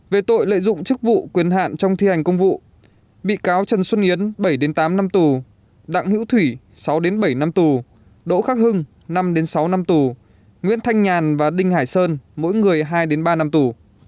về tội lợi dụng chức vụ quyền hạn trong thi hành công vụ bị cáo trần xuân yến bảy tám năm tù đặng hữu thủy sáu bảy năm tù đỗ khắc hưng năm sáu năm tù nguyễn thanh nhàn và đinh hải sơn mỗi người hai ba năm tù